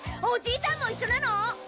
おじいさんも一緒なの？